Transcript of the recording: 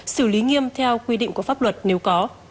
xử lý nghiêm theo quy định của pháp luật nếu có